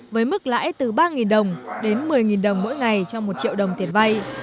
với mức lãi từ ba đồng đến một mươi đồng mỗi ngày trong một triệu đồng tiền vay